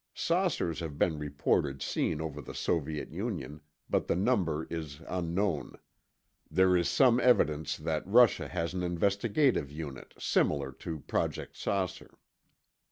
(Saucers have been reported seen over the Soviet Union, but the number is unknown. There is some evidence that Russia has an investigative unit similar to Project "Saucer.")